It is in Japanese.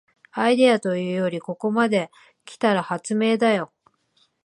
アイデアというよりここまで来たら発明だよ